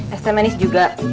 es teh manis juga